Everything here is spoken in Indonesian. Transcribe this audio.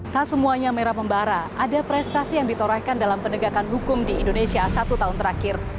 tak semuanya merah pembara ada prestasi yang ditorehkan dalam penegakan hukum di indonesia satu tahun terakhir